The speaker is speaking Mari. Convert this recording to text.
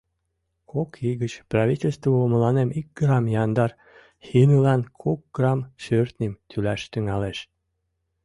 — Кок ий гыч правительство мыланем ик грамм яндар хинылан кок грамм шӧртньым тӱлаш тӱҥалеш!